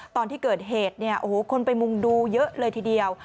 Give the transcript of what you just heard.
ตอนที่เกิดเหตุคนไปมุ่งดูเยอะเลยทีเดียว